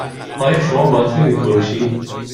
آیا شما باطری می فروشید؟